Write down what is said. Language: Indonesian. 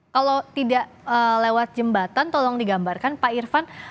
kalau tidak lewat jembatan tolong digambarkan pak irfan